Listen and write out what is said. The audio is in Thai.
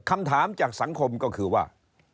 คำถามจากสังคมก็คือว่า